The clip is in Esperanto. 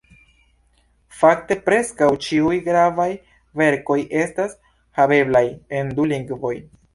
Fakte preskaŭ ĉiuj gravaj verkoj estas haveblaj en du lingvoj.